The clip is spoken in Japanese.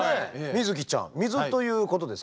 水希ちゃん水ということですか？